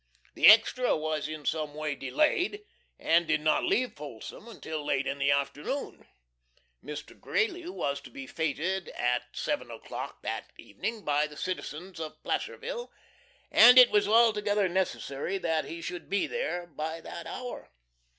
The extra was in some way delayed, and did not leave Folsom until late in the afternoon. Mr. Greeley was to be feted at 7 o'clock that evening by the citizens of Placerville, and it was altogether necessary that he should be there by that hour.